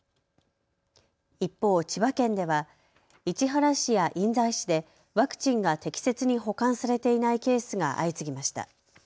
一方、千葉県では市原市や印西市でワクチンが適切に保管されていないケースが相次ぎました。